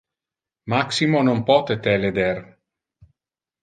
Maximo non pote te leder.